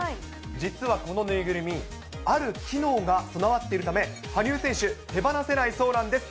実はこの縫いぐるみ、ある機能が備わっているため、羽生選手、手放せないそうなんです。